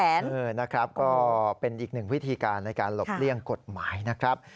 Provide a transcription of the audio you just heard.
เออนะครับก็เป็นอีกหนึ่งวิธีการในการหลบเลี่ยงกฎหมายนะครับ